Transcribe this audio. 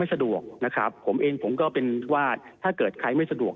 สะดวกนะครับผมเองผมก็เป็นว่าถ้าเกิดใครไม่สะดวก